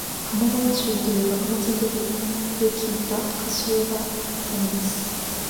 「鴨川集」という幕末にできた歌集があります